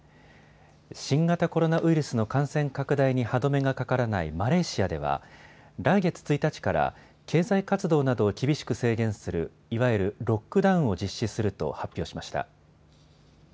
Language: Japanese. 新型コロナウイルスの感染拡大に歯止めがかからないマレーシアでは来月１日から経済活動などを厳しく制限するいわゆるロックダウンを実施すると発表しました。